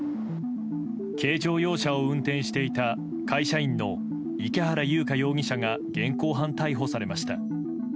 軽乗用車を運転していた会社員の池原優香容疑者が現行犯逮捕されました。